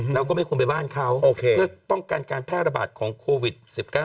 เราก็ไม่ควรไปบ้านเขาเพื่อป้องกันการแพร่ระบาดของโควิด๑๙